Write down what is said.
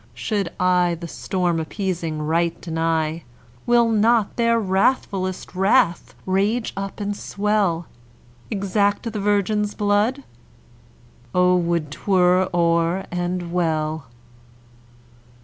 Should I the storm appeasing rite deny, Will not their wrathfullest wrath rage up and swell? Exact the virgin's blood? oh, would 't were o'er and well!"